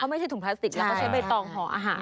ไม่ใช่ถุงพลาสติกแล้วก็ใช้ใบตองห่ออาหาร